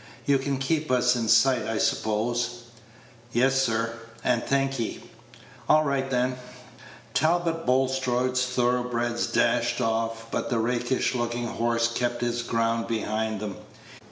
You can keep us in sight, I suppose? "Yes, sir, and thank ye." "All right, then." Talbot Bulstrode's thorough breds dashed off, but the rakish looking horse kept his ground behind them.